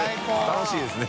楽しいですね。